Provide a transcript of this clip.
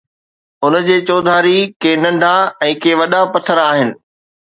ان جي چوڌاري ڪي ننڍا ۽ ڪي وڏا پٿر آهن